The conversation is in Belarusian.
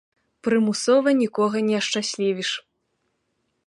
Прымусова нікога не ашчаслівіш.